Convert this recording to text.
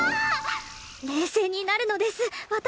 冷静になるのです私！